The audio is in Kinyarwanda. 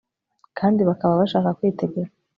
kandi bakaba babasha kwitegeka